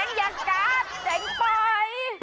เจ๊งเจ๊งอย่ากับเจ๊งปล่อย